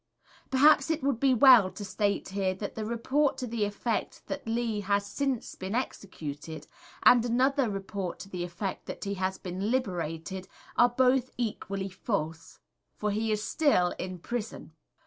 Perhaps it would be well to state here that the report to the effect that Lee has been since executed, and another report to the effect that he has been liberated, are both equally false; for he is still in prison.